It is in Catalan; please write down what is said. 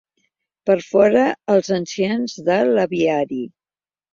Fer fora els ancians de l'aviari.